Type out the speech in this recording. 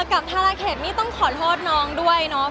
กับทาราเขตนี่ต้องขอโทษน้องด้วยเนาะ